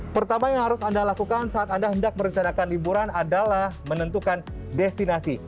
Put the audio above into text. pertama yang harus anda lakukan saat anda hendak merencanakan liburan adalah menentukan destinasi